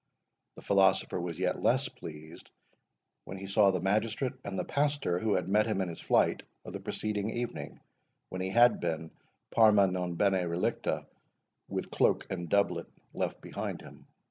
The philosopher was yet less pleased, when he saw the magistrate the pastor who had met him in his flight of the preceding evening, when he had been seen, parma non bene relicta, with cloak and doublet left behind him.